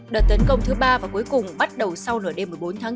đợt tấn công thứ ba và cuối cùng bắt đầu sau nửa đêm một mươi bốn tháng bốn